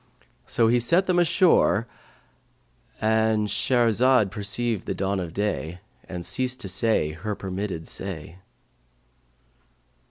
So he set them ashore,"— And Shahrazad perceived the dawn of day and ceased to say her permitted say.